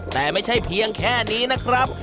แต่ไม่ใช่เพียงแค่นี้นะครับ